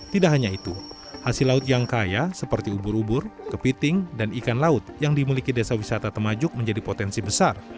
tidak hanya itu hasil laut yang kaya seperti ubur ubur kepiting dan ikan laut yang dimiliki desa wisata temajuk menjadi potensi besar